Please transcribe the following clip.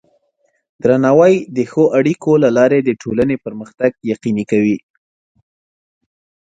درناوی د ښو اړیکو له لارې د ټولنې پرمختګ یقیني کوي.